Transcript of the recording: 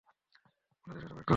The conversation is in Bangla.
গুন্ডাদের সাথে ফাইট কর তুমি।